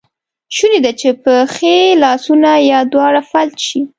شونی ده چې پښې، لاسونه یا دواړه فلج شي.